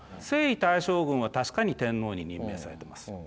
征夷大将軍は確かに天皇に任命されてます。